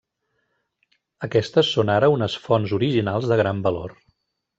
Aquestes són ara unes fonts originals de gran valor.